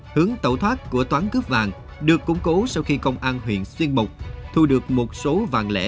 hướng tẩu thoát của toán cướp vàng được củng cố sau khi công an huyện xuyên mục thu được một số vàng lẻ